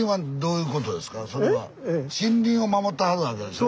森林を守ってはるわけでしょ？